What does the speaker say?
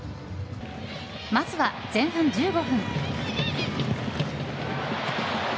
まずは前半１５分。